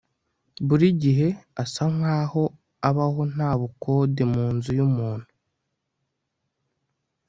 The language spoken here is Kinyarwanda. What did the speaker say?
buri gihe asa nkaho abaho nta bukode mu nzu yumuntu